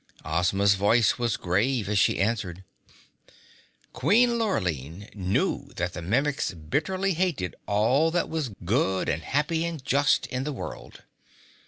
Ozma's voice was grave as she answered. "Queen Lurline knew that the Mimics bitterly hated all that was good and happy and just in the world.